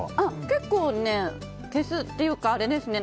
結構ね消すっていうかあれですね。